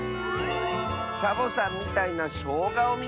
「サボさんみたいなしょうがをみつけた！」。